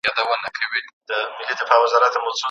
فکري وده په کلتور ژور اغېز لري.